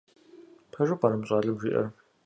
Пэжу пӀэрэ мы щӏалэм жиӀэр?